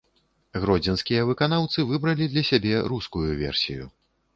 Гродзенскія выканаўцы выбралі для сябе рускую версію.